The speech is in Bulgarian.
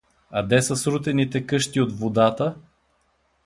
— А де са срутените къщи от водата?